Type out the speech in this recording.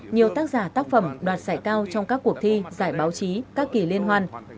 nhiều tác giả tác phẩm đoạt giải cao trong các cuộc thi giải báo chí các kỷ liên hoàn